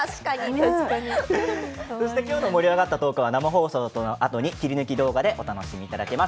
今日の盛り上がったトークは生放送のあとに切り抜き動画で見ることができます。。